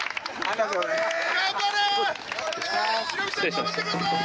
頑張ってください！